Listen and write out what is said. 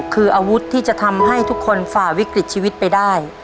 คืออาวุธที่จะทำให้ทุกคนฝ่าวิกฤตชีวิตไปได้